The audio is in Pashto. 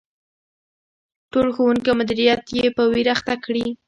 ټول ښوونکي او مدیریت یې په ویر اخته کړي.